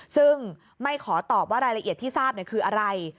ซึ่งไม่ขอตอบว่ารายละเอียดที่ทราบคืออะไร